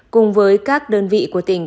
cùng với các đơn vị của tỉnh